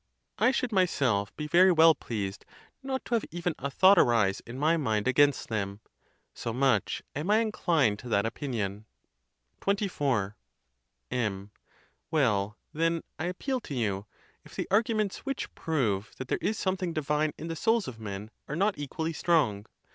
I should myself be very well pleased not to have even a thought arise in my mind against them, so much am I inclined to that opinion. XXIV. M. Well, then, 1 appeal to you, if the arguments which prove that there is something divine in the souls of men are not equally strong?